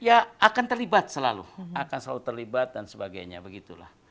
ya akan terlibat selalu akan selalu terlibat dan sebagainya begitulah